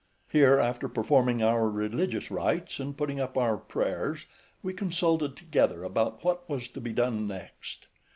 Here, after performing our religious rites, and putting up our prayers, we consulted together about what was to be done next.